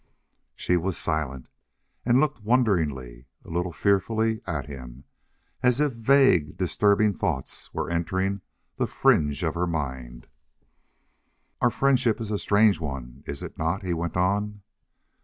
She was silent, and looked wonderingly, a little fearfully, at him, as if vague, disturbing thoughts were entering the fringe of her mind. "Our friendship is a strange one, is it not?" he went on.